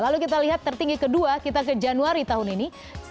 lalu kita lihat tertinggi kedua kita ke januari tahun ini